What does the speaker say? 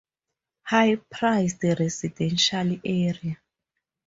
High-priced residential area.